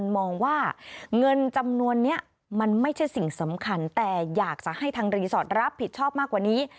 มองว่าเงินจำนวนนี้มันไม่ใช่สิ่งสำคัญแต่อยากจะให้ทางรีสอร์ทรับผิดชอบมากกว่านี้